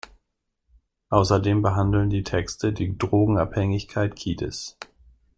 Außerdem behandeln die Texte die Drogenabhängigkeit Kiedis.